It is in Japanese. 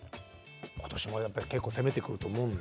今年もやっぱり結構攻めてくると思うんだ。